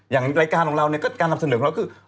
อย่างรายการของเราเนี่ยก็การนำเสนอของเราคือ